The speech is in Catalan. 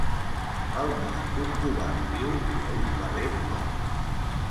Val més un covard viu que un valent mort.